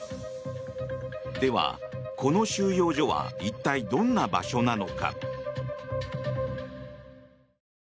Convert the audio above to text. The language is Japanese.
では、この収容所は一体どんな場所なのか。